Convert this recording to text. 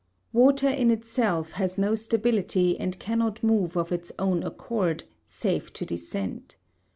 Water in itself has no stability and cannot move of its own accord, save to descend.